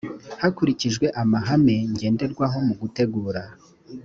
hakurikijwe amahame ngenderwaho mu gutegura